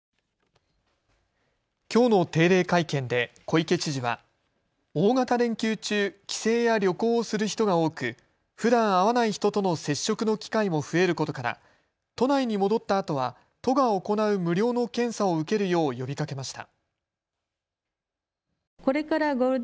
きょうの定例会見で小池知事は大型連休中、帰省や旅行をする人が多く、ふだん会わない人との接触の機会も増えることから都内に戻ったあとは都が行う無料の検査を受けるよう呼びかけました。